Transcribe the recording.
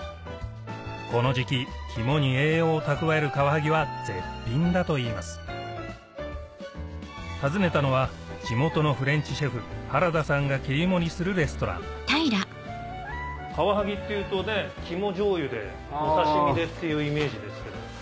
この時期肝に栄養を蓄えるカワハギは絶品だといいます訪ねたのは地元のフレンチシェフが切り盛りするレストランカワハギっていうと肝じょうゆでお刺し身でっていうイメージですけど。